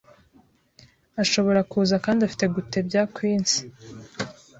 Ashobora kuza kandi afite gutebya kwinsi